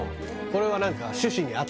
これは何かよ